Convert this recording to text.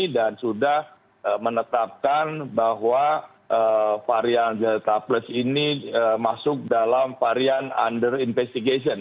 dan sudah menetapkan bahwa varian delta plus ini masuk dalam varian under investigation